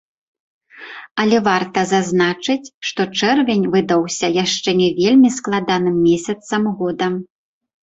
Але варта зазначыць, што чэрвень выдаўся яшчэ не вельмі складаным месяцам года.